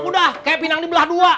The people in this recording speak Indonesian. udah kayak pinang dibelah dua